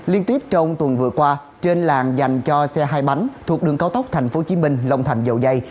liên tiếp trong tuần vừa qua trên làng dành cho xe hai bánh thuộc đường cao tốc tp hcm long thành dầu dây